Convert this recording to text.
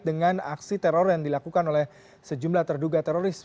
dengan aksi teror yang dilakukan oleh sejumlah terduga teroris